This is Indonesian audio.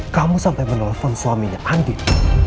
kamu sampai menelepon suaminya andin